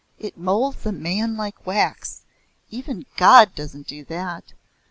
It moulds a man like wax. Even God doesn't do that.